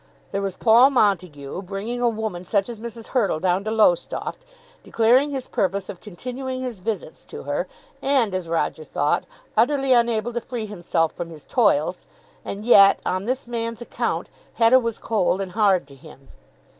There was Paul Montague, bringing a woman such as Mrs. Hurtle down to Lowestoft, declaring his purpose of continuing his visits to her, and, as Roger thought, utterly unable to free himself from his toils, and yet, on this man's account, Hetta was cold and hard to him.